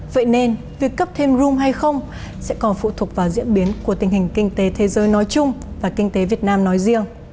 vậy nên việc cấp thêm room hay không sẽ còn phụ thuộc vào diễn biến của tình hình kinh tế thế giới nói chung và kinh tế việt nam nói riêng